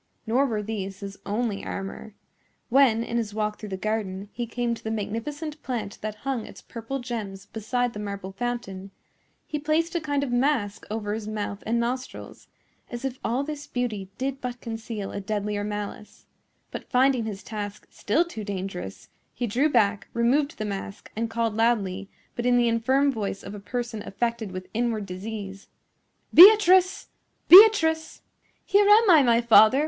Nor were these his only armor. When, in his walk through the garden, he came to the magnificent plant that hung its purple gems beside the marble fountain, he placed a kind of mask over his mouth and nostrils, as if all this beauty did but conceal a deadlier malice; but, finding his task still too dangerous, he drew back, removed the mask, and called loudly, but in the infirm voice of a person affected with inward disease, "Beatrice! Beatrice!" "Here am I, my father.